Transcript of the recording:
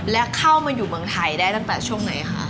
และเข้ามาอยู่เมืองไทยได้ตั้งแต่ช่วงไหนคะ